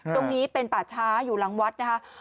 ตรงนี้เป็นป่าช้าอยู่หลังวัดนะคะ